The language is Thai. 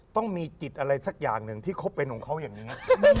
ต้องมีจิตอะไรสักอย่างหนึ่งที่คบเป็นของเขาอย่างนี้